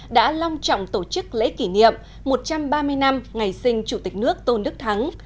đã long trọng tổ chức lễ kỷ niệm một trăm ba mươi năm ngày sinh chủ tịch nước tôn đức thắng